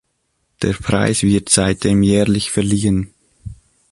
Der Preis wird seitdem jährlich verliehen.